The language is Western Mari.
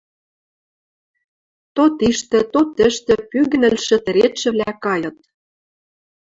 То тиштӹ, то тӹштӹ пӱгӹнӹлшӹ тӹредшӹвлӓ кайыт.